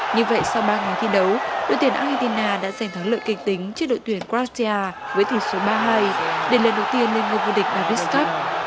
như vậy sau ba ngày thi đấu đội tuyển argentina đã giành thắng lợi kinh tính trước đội tuyển croatia với tỷ số ba hai để lần đầu tiên lên ngôi vua địch davis cup